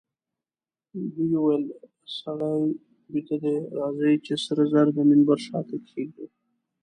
دوی وویل: سړی بیده دئ، راځئ چي سره زر د منبر شاته کښېږدو.